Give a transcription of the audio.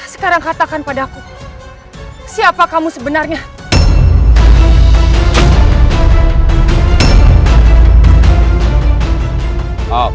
siapa kamu sebenarnya